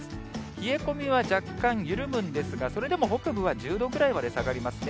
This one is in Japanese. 冷え込みは若干緩むんですが、それでも北部は１０度くらいまで下がりますね。